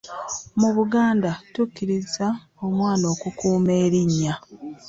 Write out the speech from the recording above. Mu Buganda, tukubiriza omwana okukuuma erinnya.